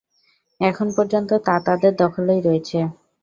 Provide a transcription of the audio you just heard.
এখন পর্যন্ত তা তাদের দখলেই রয়েছে।